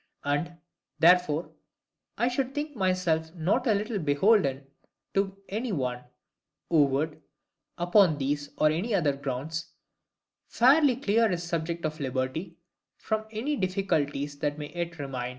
And, therefore, I should think myself not a little beholden to any one, who would, upon these or any other grounds, fairly clear this subject of LIBERTY from any difficulties that may yet remain.